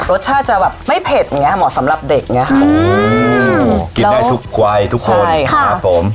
รสชาติจะแบบไม่เผ็ดอย่างเงี้เหมาะสำหรับเด็กเนี้ยค่ะอืมกินได้ทุกวัยทุกคนใช่ครับผม